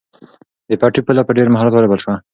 د پټي پوله په ډېر مهارت ورېبل شوه.